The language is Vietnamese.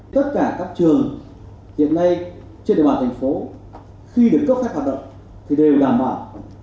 tất cả các trường hiện nay trên địa bàn thành phố khi được cấp phép hoạt động thì đều đảm bảo